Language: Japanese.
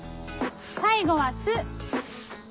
最後は「す」。